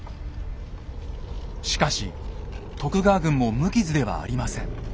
しかし徳川軍も無傷ではありません。